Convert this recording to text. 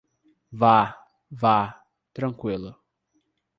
Vá, vá, tranqüilo.